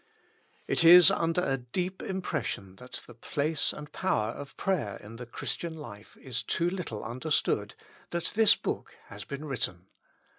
It is under a deep impression that the place and power of prayer in the Christian life is too little un derstood, that this book has been written.